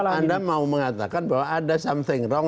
anda mau mengatakan bahwa ada something wrong